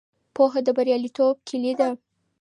پوهه د بریالیتوب کیلي ده.